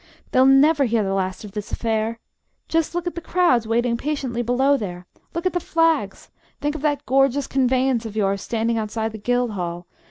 They'll never hear the last of this affair. Just look at the crowds waiting patiently below there. Look at the flags. Think of that gorgeous conveyance of yours standing outside the Guildhall.